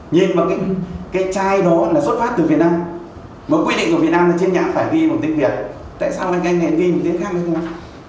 nhưng mà cái chai đó là xuất phát từ việt nam mà quy định của việt nam là trên nhãn phải ghi một tiếng việt tại sao anh em ghi một tiếng khác như thế này